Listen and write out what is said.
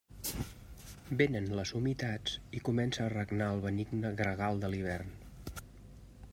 Vénen les humitats i comença a regnar el benigne gregal de l'hivern.